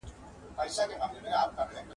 پنځلسمه نکته.